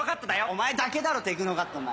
お前だけだろテクノカットお前。